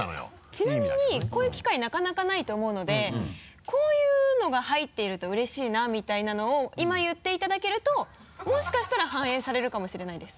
ちなみにこういう機会なかなかないと思うのでこういうのが入っているとうれしいなみたいなのを今言っていただけるともしかしたら反映されるかもしれないです。